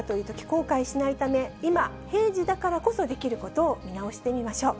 後悔しないため、今、平時だからこそできることを見直してみましょう。